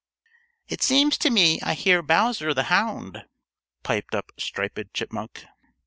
"It seems to me I hear Bowser the Hound," piped up Striped Chipmunk.